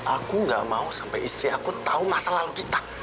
aku gak mau sampai istri aku tahu masa lalu kita